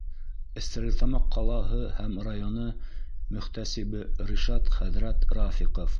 Стәрлетамаҡ ҡалаһы һәм районы мөхтәсибе Ришат хәҙрәт РАФИҠОВ: